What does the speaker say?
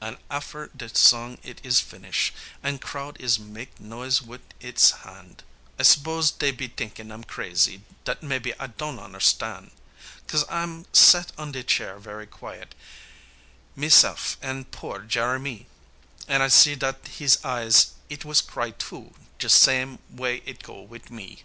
An' affer de song it is finish, an' crowd is mak' noise wit' its han', I s'pose dey be t'inkin' I'm crazy, dat mebbe I don't onderstan', Cos I'm set on de chair very quiet, mese'f an' poor Jeremie, An' I see dat hees eye it was cry too, jus' sam' way it go wit' me.